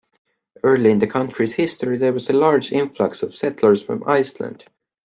Early in the county's history, there was a large influx of settlers from Iceland.